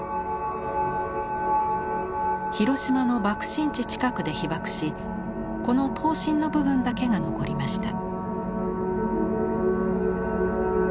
広島の爆心地近くで被曝しこの塔身の部分だけが残りました。